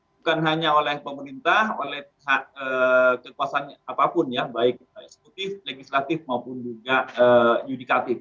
bukan hanya oleh pemerintah oleh hak kekuasaan apapun ya baik eksekutif legislatif maupun juga yudikatif